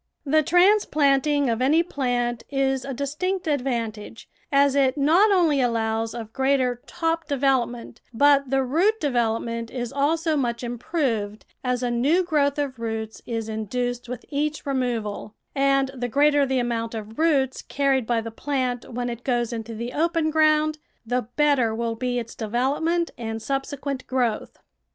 The transplanting of any plant is a distinct ad vantage, as it not only allows of greater top de velopment, but the root development is also much improved, as a new growth of roots is induced with each removal; and the greater the amount of roots carried by the plant when it goes into the open ground, the better will be its development and subsequent growth.